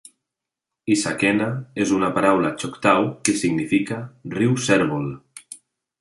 "Issaquena" és una paraula Choctaw que significa "riu Cérvol".